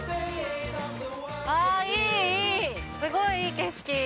あー、いい、いい、すごいいい景色。